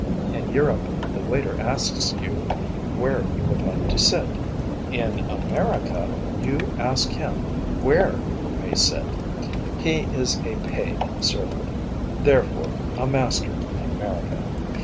In Europe, the waiter asks you where you would like to sit. In America, you ask him where you may sit. He is a paid servant, therefore a master in America.